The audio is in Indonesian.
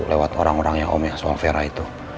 lewat orang orangnya om ya soal vera itu